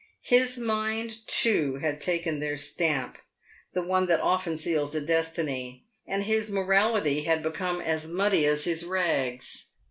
His mind, too, had taken their stamp — the one that often seals a destiny — and his morality had become as muddy as his rags.